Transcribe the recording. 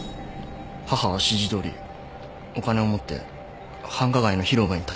母は指示どおりお金を持って繁華街の広場に立ちました。